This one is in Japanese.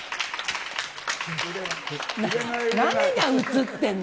何が写ってんの。